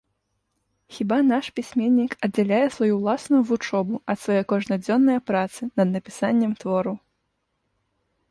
Хіба наш пісьменнік аддзяляе сваю ўласную вучобу ад свае кожнадзённае працы над напісаннем твораў?